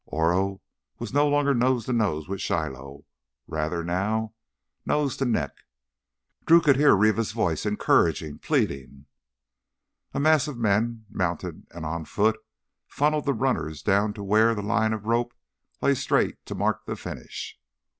Oro was no longer nose to nose with Shiloh, rather now nose to neck. Drew could hear Rivas' voice encouraging, pleading.... A mass of men, mounted and on foot, funneled the runners down to where the line of rope lay straight to mark the finish.